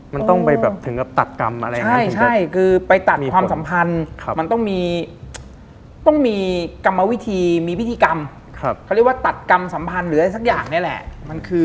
มันต้องไปแบบถึงกับตัดกรรมอะไรอย่างนั้น